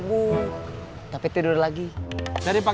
sudah ketemu sama saya